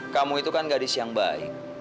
kamu itu kan gadis yang baik